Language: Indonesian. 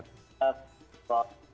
terima kasih ustaz